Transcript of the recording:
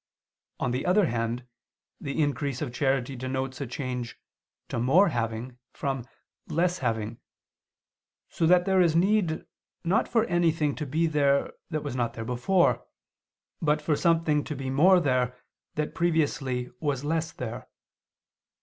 On the other hand, the increase of charity denotes a change to more having from less having, so that there is need, not for anything to be there that was not there before, but for something to be more there that previously was less there.